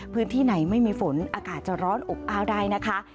พื้นที่ไหนไม่มีฝนอากาศจะร้อนอบอ้าวได้นะคะ